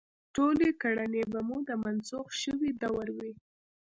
ټولې کړنې به مو د منسوخ شوي دور وي.